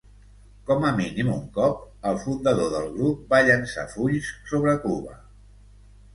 Com a mínim un cop, el fundador del grup va llançar fulls sobre Cuba.